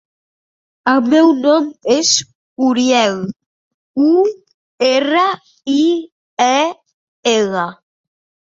El meu nom és Uriel: u, erra, i, e, ela.